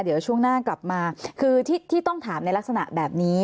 เดี๋ยวช่วงหน้ากลับมาคือที่ต้องถามในลักษณะแบบนี้